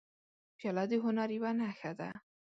پیاله د هنر یوه نښه ده.